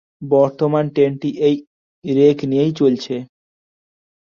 বর্তমান ট্রেনটি এই রেক নিয়েই চলছে।